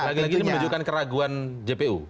lagi lagi ini menunjukkan keraguan jpu